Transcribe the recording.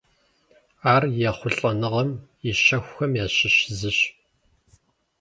Ар ехъулӀэныгъэм и щэхухэм ящыщ зыщ.